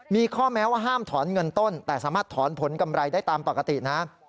มีข้อแม้ว่าห้ามถอนเงินต้นแต่สามารถถอนผลกำไรได้ตามปกตินะ